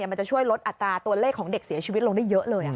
มันจะช่วยลดอัตราตัวเลขของเด็กเสียชีวิตลงได้เยอะเลย